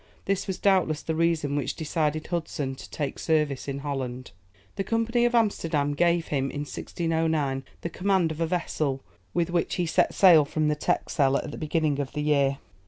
This was doubtless the reason which decided Hudson to take service in Holland. The Company of Amsterdam gave him, in 1609, the command of a vessel, with which he set sail from the Texel at the beginning of the year.